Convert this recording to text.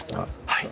はい。